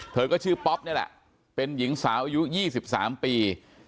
เธอก็ชื่อป๊อปนี่แหละเป็นหญิงสาวอายุ๒๓ปี